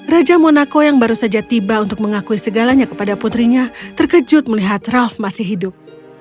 raja monaco yang baru saja tiba untuk mengakui segalanya kepada putrinya terkejut melihat ralf masih hidup